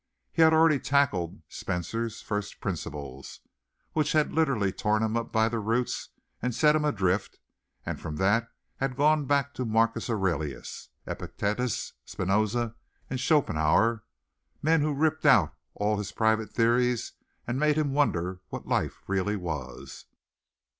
He had already tackled Spencer's "First Principles," which had literally torn him up by the roots and set him adrift and from that had gone back to Marcus Aurelius, Epictetus, Spinoza and Schopenhauer men who ripped out all his private theories and made him wonder what life really was.